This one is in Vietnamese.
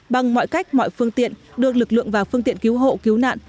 bằng mọi cách mọi phương tiện đưa lực lượng và phương tiện cứu hộ cứu nạn